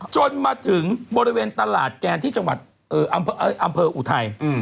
จนมาถึงบริเวณตลาดแกนที่อ่ำเภาอุไทย